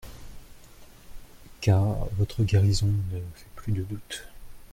Car votre guérison ne fait plus de doute.